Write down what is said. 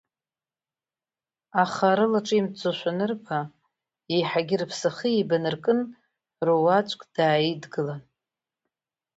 Аха рылаҿимҭӡошәа анырба, еиҳагьы рыԥсахы еибанаркын, руаӡәк дааидгылан…